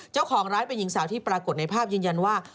เจ้าของร้านเป็นหญิงสาวที่ปรากฏในภาพยืนยันว่า